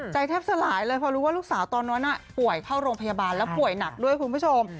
แทบสลายเลยเพราะรู้ว่าลูกสาวตอนนั้นป่วยเข้าโรงพยาบาลแล้วป่วยหนักด้วยคุณผู้ชม